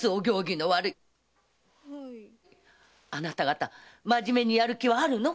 あなた方まじめにやる気はあるの？